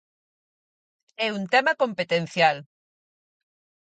É un tema competencial.